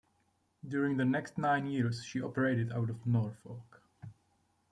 During the next nine years she operated out of Norfolk.